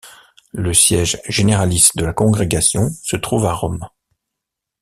Le siège généralice de la congrégation se trouve à Rome.